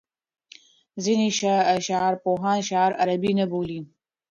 ځینې شعرپوهان شعر عربي نه بولي.